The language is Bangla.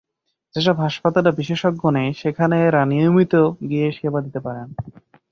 যেসব হাসপাতালে বিশেষজ্ঞ নেই, সেখানে এঁরা নিয়মিত গিয়ে সেবা দিতে পারেন।